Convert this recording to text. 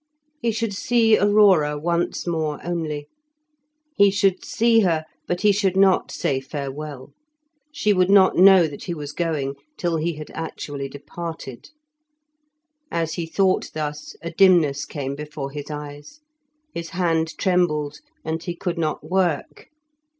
He should see Aurora once more only. He should see her, but he should not say farewell; she would not know that he was going till he had actually departed. As he thought thus a dimness came before his eyes; his hand trembled, and he could not work.